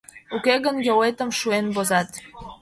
Уке гын, йолетым шуен возат.